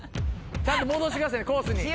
ちゃんと戻してくださいねコースに。